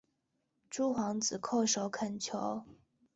诸皇子叩首恳求。